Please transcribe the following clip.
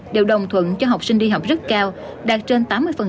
đều đồng thuận cho học sinh đi học rất cao đạt trên tám mươi